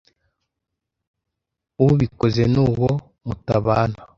ubikoze n’uwo mutabana